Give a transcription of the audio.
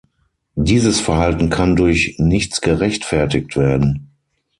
Dieses Verhalten kann durch nichts gerechtfertigt werden.